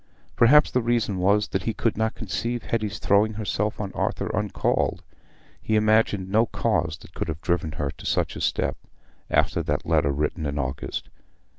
Perhaps the reason was that he could not conceive Hetty's throwing herself on Arthur uncalled; he imagined no cause that could have driven her to such a step, after that letter written in August.